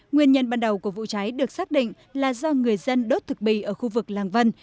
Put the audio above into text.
nguyên nhân ban đầu của vụ cháy được xác định là do người dân đốt thực bì ở khu vực làng vân